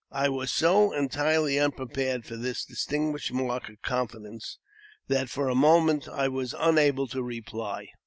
I was so entirely unprepared for this distinguished mark of confidence, that for a moment I was unable to reply.